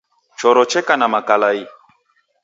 Choro cheka na makalai